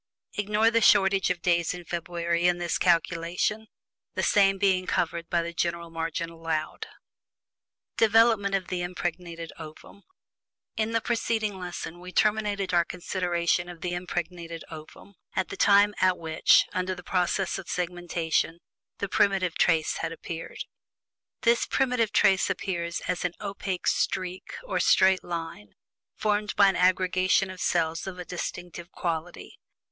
Ignore the shortage of days of February in this calculation, the same being covered by the general margin allowed. DEVELOPMENT OF THE IMPREGNATED OVUM. In the preceding lesson we terminated our consideration of the impregnated ovum at the point at which, after the process of segmentation, the "primitive trace" had appeared. This primitive trace appears as an opaque streak, or straight line, formed of an aggregation of cells of a distinctive quality.